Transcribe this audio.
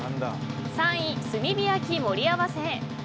３位、炭火焼き盛り合わせ。